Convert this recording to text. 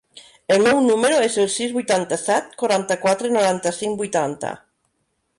El meu número es el sis, vuitanta-set, quaranta-quatre, noranta-cinc, vuitanta.